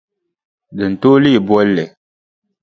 Di ni tooi leei bolli.